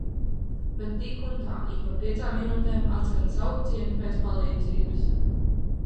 Bet tik un tā ik pa piecām minūtēm atskan saucieni pēc palīdzības!